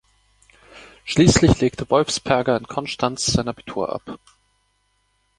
Schließlich legte Wolfsperger in Konstanz sein Abitur ab.